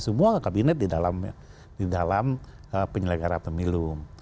semua kabinet di dalam penyelenggara pemilu